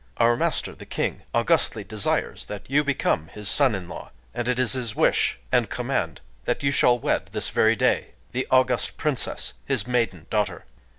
Our master, the King, augustly desires that you become his son in law;... and it is his wish and command that you shall wed this very day... the August Princess, his maiden daughter...